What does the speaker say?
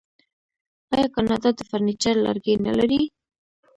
آیا کاناډا د فرنیچر لرګي نلري؟